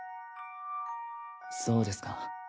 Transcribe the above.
そうですか。